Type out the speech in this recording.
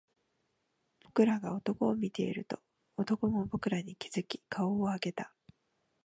僕らが男を見ていると、男も僕らに気付き顔を上げた